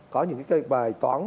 có những cái bài toán